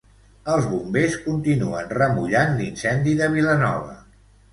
Els Bombers continuen remullant l'incendi de Vilanova.